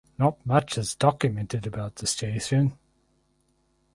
Not much is documented about the station.